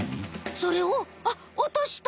それをあっ落とした！